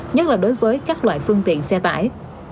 nhất là đối với các loại phương tiện xe tải